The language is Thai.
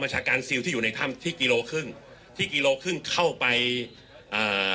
ชาการซิลที่อยู่ในถ้ำที่กิโลครึ่งที่กิโลครึ่งเข้าไปอ่า